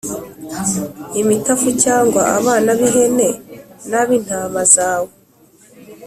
imitavu cyangwa abana b’ihene n’ab’intama zawe